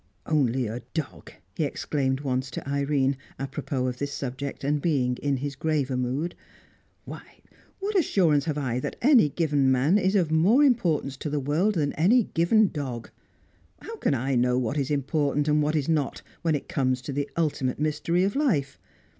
"Only a dog!" he exclaimed once to Irene, apropos of this subject, and being in his graver mood. "Why, what assurance have I that any given man is of more importance to the world than any given dog? How can I know what is important and what is not, when it comes to the ultimate mystery of life?